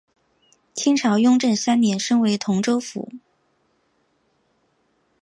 清朝雍正三年升为同州府。